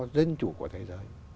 dân chủ của thế giới